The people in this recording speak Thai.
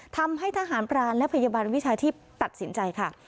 ทำให้ทหารพรานและพยาบาลวิชาชีพตัดสินใจค่ะ